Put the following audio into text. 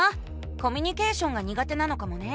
コミュニケーションが苦手なのかもね。